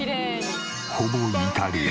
ほぼイタリア。